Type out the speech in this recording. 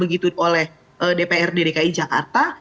begitu oleh dpr dki jakarta